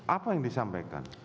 apa yang disampaikan